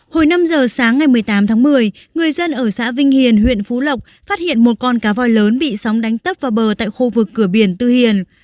hồi năm giờ sáng ngày một mươi tám tháng một mươi người dân ở xã vinh hiền huyện phú lộc phát hiện một con cá voi lớn bị sóng đánh tấp vào bờ tại khu vực cửa biển tư hiền